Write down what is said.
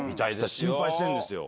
心配してるんですよ。